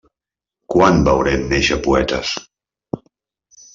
Quan veurem néixer poetes?